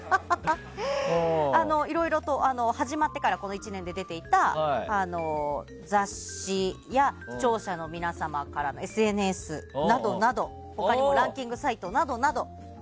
いろいろと、始まってからこの１年で出ていた雑誌や視聴者の皆様からのＳＮＳなどなど他にもランキングサイトなどなど。